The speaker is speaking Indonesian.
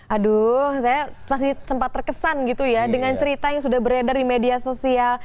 aduh saya masih sempat terkesan gitu ya dengan cerita yang sudah beredar di media sosial